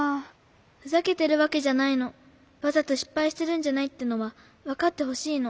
ふざけてるわけじゃないの。わざとしっぱいしてるんじゃないってのはわかってほしいの。